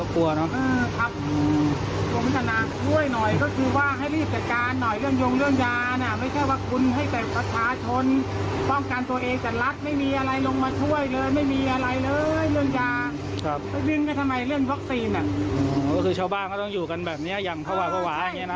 ก็คือชาวบ้านก็ต้องอยู่กันแบบนี้อย่างภาวะอย่างนี้นะ